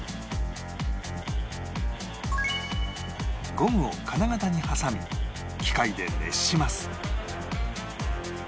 ゴムを金型に挟み機械で熱します